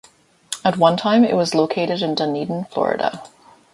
At one time it was located in Dunedin, Florida.